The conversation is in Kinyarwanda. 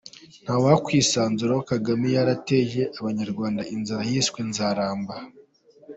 Nta wakwisanzura Kagame yarateje abanyarwanda inzara yiswe Nzaramba!